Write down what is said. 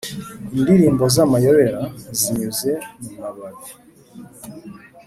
indirimbo z'amayobera zinyuze mu mababi;